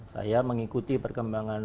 saya mengikuti perkembangan